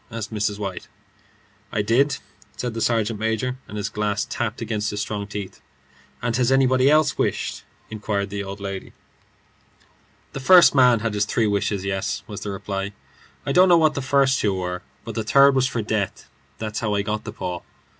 asked Mrs. White. "I did," said the sergeant major, and his glass tapped against his strong teeth. "And has anybody else wished?" persisted the old lady. "The first man had his three wishes. Yes," was the reply; "I don't know what the first two were, but the third was for death. That's how I got the paw."